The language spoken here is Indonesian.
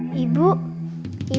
hah udah mau kemana dia